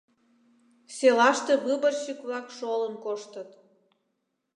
Селаште выборщик-влак шолын коштыт.